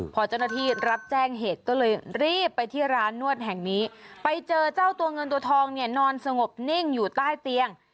พอเจ้าหน้าที่รับแจ้งเหตุก็เลยรีบไปที่ร้านนวดแห่งนี้ไปเจอเจ้าตัวเงินตัวทองเนี่ยนอนสงบนิ่งอยู่ใต้เตียง